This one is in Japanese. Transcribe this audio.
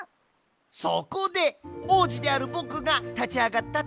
そこでおうじであるぼくがたちあがったってわけさ。